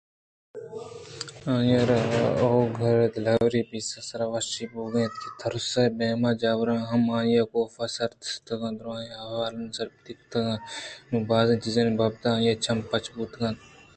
آئی ءَ را اولگا ءِدلاوری ءُبیسہ ءِ سرا وشی بوئگ ءَ اَت کہ تُرس ءُ بیم ءِ جاوراں ہم آئی ءَ کاف ءِ سر سِتک کُت ءُ دُرٛاہیں احوالاں سرپدے کُت نوں بازیں چیزانی بابتءَ آئی ءِ چم پچ بوتگ اِت اَنت